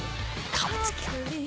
顔つきが。